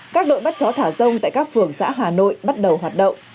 hai nghìn ba mươi các đội bắt chó thả rông tại các phường xã hà nội bắt đầu hoạt động